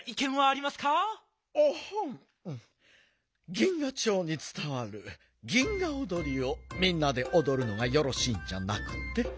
銀河町につたわる銀河おどりをみんなでおどるのがよろしいんじゃなくて？